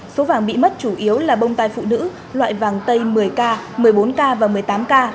số vàng bị mất chủ yếu là bông tai phụ nữ loại vàng tây một mươi k một mươi bốn k và một mươi tám k